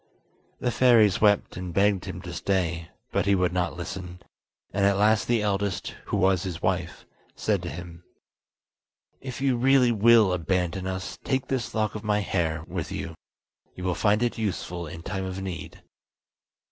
The fairies wept and begged him to stay, but he would not listen, and at last the eldest, who was his wife, said to him: "If you really will abandon us, take this lock of my hair with you; you will find it useful in time of need."